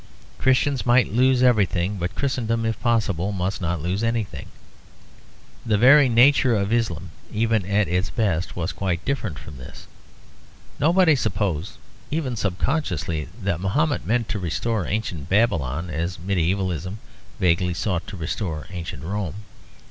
Christians might lose everything, but Christendom, if possible, must not lose anything. The very nature of Islam, even at its best, was quite different from this. Nobody supposed, even subconsciously, that Mahomet meant to restore ancient Babylon as medievalism vaguely sought to restore ancient Rome.